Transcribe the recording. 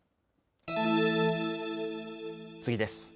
次です。